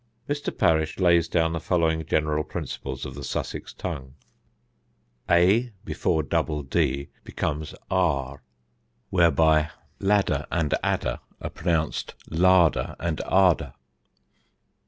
[Sidenote: THE SUSSEX RULES] Mr. Parish lays down the following general principles of the Sussex tongue: a before double d becomes ar; whereby ladder and adder are pronounced larder and arder.